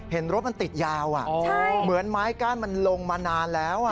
เห็นรถมันติดยาวเหมือนไม้กั้นมันลงมานานแล้ว